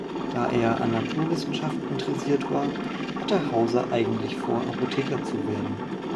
Da er an Naturwissenschaften interessiert war, hatte Hauser eigentlich vor, Apotheker zu werden.